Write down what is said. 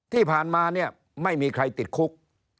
ที่ผ่านมาเนี่ยไม่มีใครติดคุก